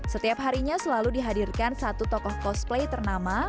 setiap harinya selalu dihadirkan satu tokoh cosplay ternama